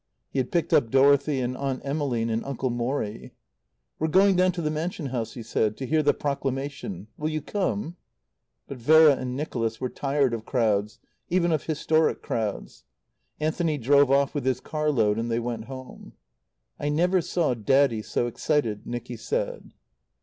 He had picked up Dorothy and Aunt Emmeline and Uncle Morrie. "We're going down to the Mansion House," he said, "to hear the Proclamation. Will you come?" But Veronica and Nicholas were tired of crowds, even of historic crowds. Anthony drove off with his car load, and they went home. "I never saw Daddy so excited," Nicky said.